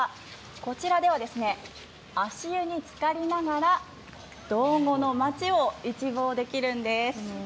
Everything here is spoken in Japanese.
こちらでは、足湯につかりながら道後の町を一望できるんです。